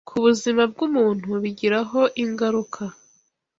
ku buzima bw’umuntu bigiraho ingaruka